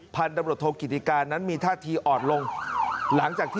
เผื่อ